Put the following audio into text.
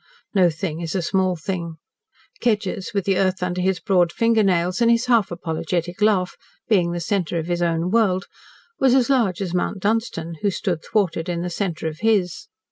No thing is a small thing. Kedgers, with the earth under his broad finger nails, and his half apologetic laugh, being the centre of his own world, was as large as Mount Dunstan, who stood thwarted in the centre of his.